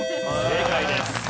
正解です。